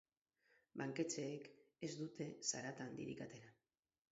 Banketxeek ez dute zarata handirik atera.